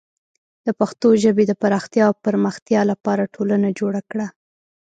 د پښتو ژبې د پراختیا او پرمختیا لپاره ټولنه جوړه کړه.